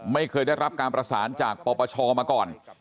ไม่เคยได้รับการประสานจากปปชมาก่อน